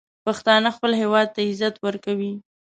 پښتانه خپل هیواد ته عزت ورکوي.